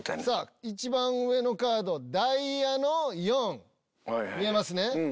一番上のカードダイヤの４見えますね？